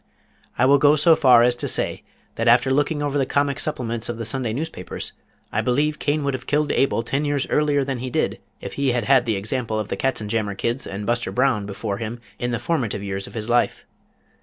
I will go so far as to say that after looking over the comic supplements of the Sunday Newspapers, I believe Cain would have killed Abel ten years earlier than he did if he had had the example of the Katzenjammer Kids and Buster Brown before him in the formative years of his life.